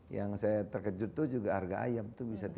yang saya terkejut itu juga harga ayam itu bisa tiga puluh tiga